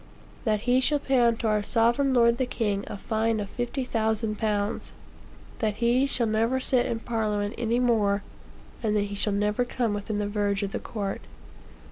That he shall pay unto our sovereign lord the king a fine of 50,000 pounds. That he shall never sit in Parliament any more, and that he shall never come within the verge of the court."